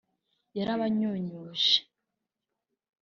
yarabanyunyuje